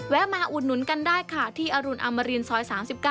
มาอุดหนุนกันได้ค่ะที่อรุณอมรินซอย๓๙